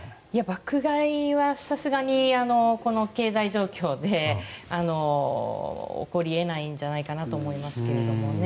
爆買いはさすがにこの経済状況で起こり得ないんじゃないかなと思いますけどもね。